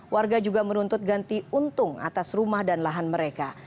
warga juga menuntut ganti untung atas rumah dan lahan mereka